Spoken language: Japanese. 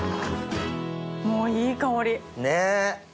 もういい香りねっ。